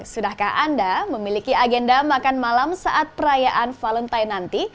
sudahkah anda memiliki agenda makan malam saat perayaan valentine nanti